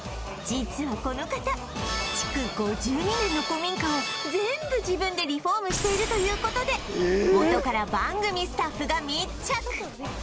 実はこの方築５２年の古民家を全部自分でリフォームしているという事で元から番組スタッフが密着